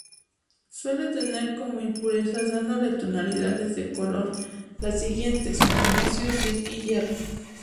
Suele tener como impurezas dándole tonalidades de color las siguientes: magnesio, cinc y hierro.